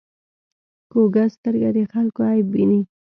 کوږه سترګه د خلکو عیب ویني